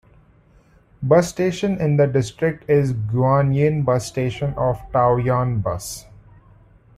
Bus station in the district is Guanyin Bus Station of Taoyuan Bus.